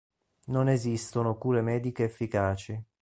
Non esistono cure mediche efficaci.